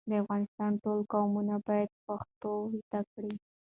د افغانستان ټول قومونه بايد پښتو زده کړي.